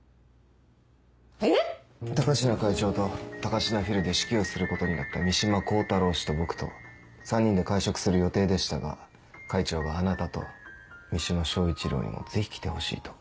えっ⁉高階会長と高階フィルで指揮をすることになった三島光太郎と僕と３人で会食する予定でしたが会長があなたと三島彰一郎にもぜひ来てほしいと。